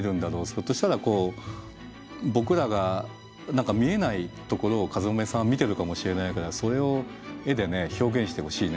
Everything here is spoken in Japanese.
ひょっとしたらこう僕らが見えないところをかずまめさんは見てるかもしれないからそれを絵で表現してほしいね。